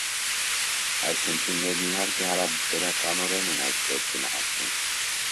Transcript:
Այս հնչյուններն իհարկե հարաբերականորեն են այդպես գնահատվում։